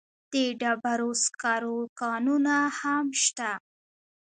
د ډبرو سکرو کانونه هم شته.